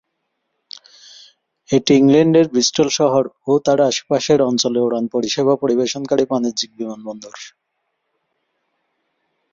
এটি ইংল্যান্ডের ব্রিস্টল শহর ও তার আশেপাশের অঞ্চলে উড়ান পরিষেবা পরিবেশনকারী বাণিজ্যিক বিমানবন্দর।